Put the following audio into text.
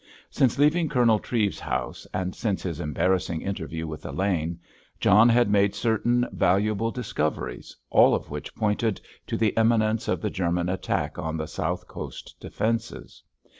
Since leaving Colonel Treves's house, and since his embarrassing interview with Elaine, John had made certain valuable discoveries, all of which pointed to the imminence of the German attack on the South Coast defences.